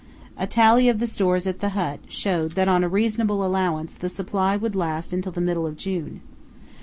A tally of the stores at the hut showed that on a reasonable allowance the supply would last till the middle of June.